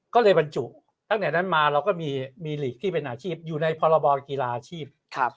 ก็เลยบรรจุตั้งแต่นั้นมาเราก็มีหลีกที่เป็นอาชีพอยู่ในพรบกีฬาอาชีพ